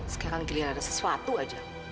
sekarang giliran ada sesuatu aja